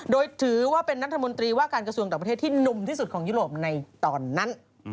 โดยถือว่าเป็นรัฐมนตรีว่าการกระทรวงต่างประเทศที่หนุ่มที่สุดของยุโรปในตอนนั้น